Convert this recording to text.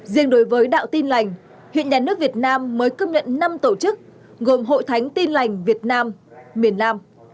riêng đối với đạo tin lành hiện nhà nước việt nam mới công nhận năm tổ chức gồm hội thánh tin lành việt nam miền nam